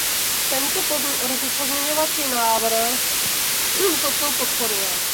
Tento pozměňovací návrh toto podporuje.